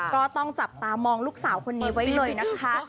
ก็ต้องจับตามองลูกสาวคนนี้ไว้เลยนะคะ